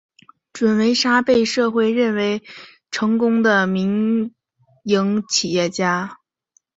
祝维沙被社会认可为成功的民营企业家。